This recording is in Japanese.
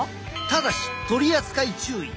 ただし取扱注意！